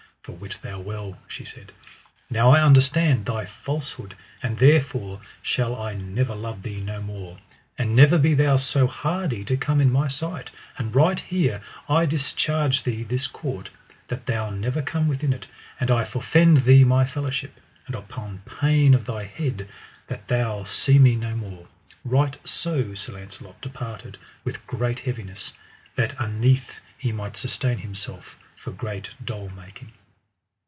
For wit thou well, she said, now I understand thy falsehood, and therefore shall I never love thee no more. And never be thou so hardy to come in my sight; and right here I discharge thee this court, that thou never come within it; and I forfend thee my fellowship, and upon pain of thy head that thou see me no more. Right so Sir Launcelot departed with great heaviness, that unnethe he might sustain himself for great dole making.